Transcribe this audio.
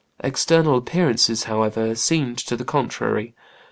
External appearances, however, seemed to the contrary.